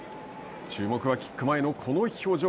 注目は、キックの前のこの表情。